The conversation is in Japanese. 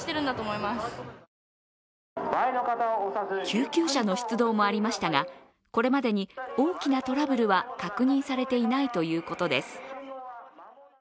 救急車の出動もありましたが、これまでに大きなトラブルは確認されていないということです。